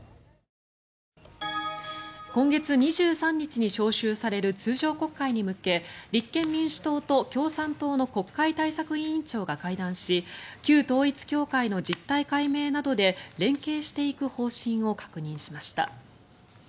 今月２３日に召集される通常国会に向け立憲民主党と共産党の国会対策委員長が会談し旧統一教会の実態解明などで連携していく方針を確認しました。